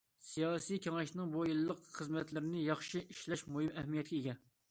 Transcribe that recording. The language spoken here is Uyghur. سىياسىي كېڭەشنىڭ بۇ يىللىق خىزمەتلىرىنى ياخشى ئىشلەش مۇھىم ئەھمىيەتكە ئىگە.